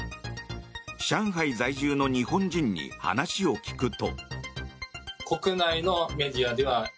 上海在住の日本人に話を聞くと。